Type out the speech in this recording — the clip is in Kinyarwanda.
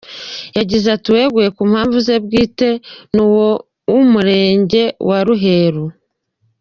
Yagize ati “Uweguye ku mpamvu ze bwite ni uwo w’umurenge wa Ruheru.